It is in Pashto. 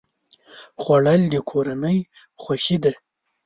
خوړل د کورنۍ خوښي ده